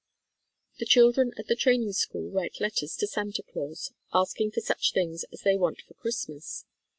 The children at the Training School write letters to Santa Claus asking for such things as they want for Christmas.